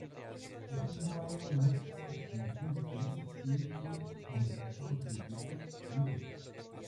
Ese mismo año el Grupo Anarquista Luz y su publicación quincenal "¡Luz!